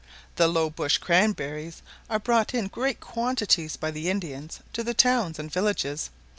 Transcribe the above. The low bush cranberries are brought in great quantities by the Indians to the towns and villages.